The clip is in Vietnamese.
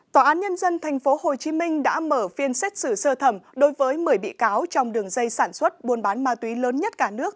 tòa án nhân dân tp hcm đã mở phiên xét xử sơ thẩm đối với một mươi bị cáo trong đường dây sản xuất buôn bán ma túy lớn nhất cả nước